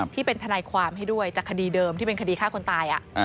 ที่เป็นทนายความให้ด้วยจากคดีเดิมที่เป็นคดีฆ่าคนตาย